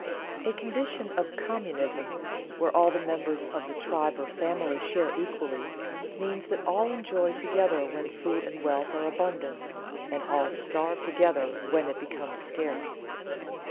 _ A condition of communism, where all the members of the tribe or family share equally, means that all enjoy together when food and wealth are abundant, and all starve together when it becomes scarce.